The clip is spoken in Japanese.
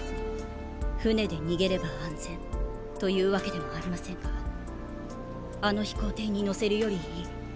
船で逃げれば安全というわけでもありませんがあの飛行艇に乗せるよりいい。